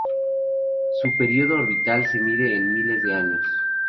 Su periodo orbital se mide en miles de años.